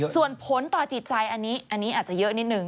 ส่วนผลต่อจิตใจอันนี้อาจจะเยอะนิดนึ